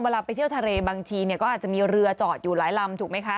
เวลาไปเที่ยวทะเลบางทีเนี่ยก็อาจจะมีเรือจอดอยู่หลายลำถูกไหมคะ